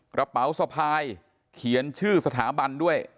กระเป๋าสะพายเขียนชื่อสถาบันด้วย